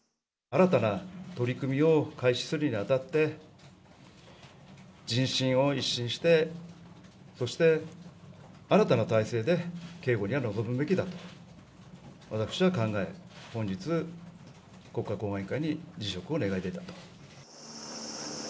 新たな取り組みを開始するにあたって、人心を一新して、そして、新たな体制で警護には臨むべきだと、私は考え、本日、国家公安委員会に辞職を願い出たと。